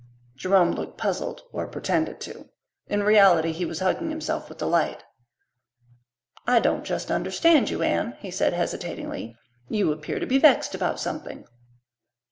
Jerome looked puzzled, or pretended to. In reality he was hugging himself with delight. "I don't just understand you, Anne," he said hesitatingly "You appear to be vexed about something."